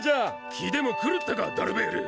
きでもくるったかダルベール！